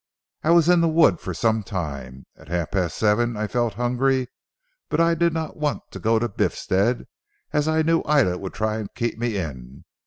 I was in the wood for some time. At half past seven I felt hungry, but I did not want to go to Biffstead as I knew Ida would try and keep me in.